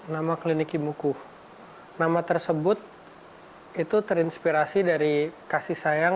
nama kliniki muku nama tersebut itu terinspirasi dari kasih sayang